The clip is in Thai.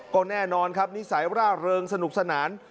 ก็แน่นอนครับนิสัยร่าเริงสนุกสนาน